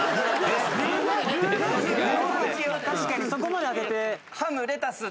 確かにそこまで当てて。